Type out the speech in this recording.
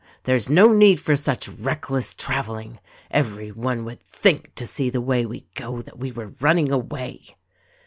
There is no need for such reckless travel ing ; every one would think — to see the way we go — that we were running away."